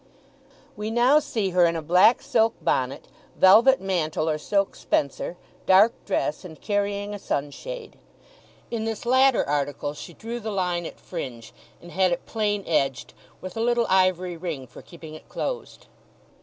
We now see her in a black silk bonnet, velvet mantle or silk spencer, dark dress, and carrying a sunshade. In this latter article she drew the line at fringe, and had it plain edged, with a little ivory ring for keeping it closed.